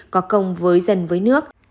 có công với dân với nước